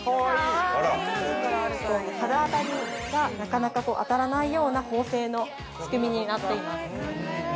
◆肌あたりがなかなかあたらないような縫製の仕組みになっています。